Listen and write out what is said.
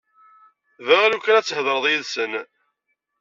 Bɣiɣ lukan ad thedreḍ yid-sen.